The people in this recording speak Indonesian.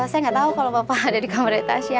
saya gak tahu kalau papa ada di kamar tasya